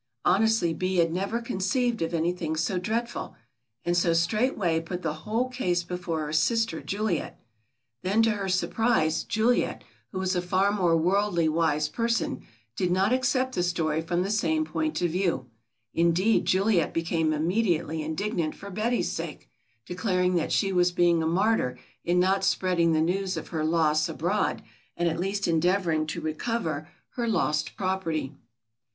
Honestly Bee had never conceived of anything so dreadful, and so straightway put the whole case before her sister, Juliet. Then to her surprise Juliet, who was a far more worldly wise person, did not accept the story from the same point of view, indeed Juliet became immediately indignant for Betty's sake, declaring that she was being a martyr in not spreading the news of her loss abroad and at least endeavoring to recover her lost property.